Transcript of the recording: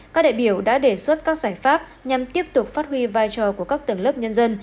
các đại biểu đã đề xuất các giải pháp nhằm tiếp tục phát huy vai trò của các tầng lớp nhân dân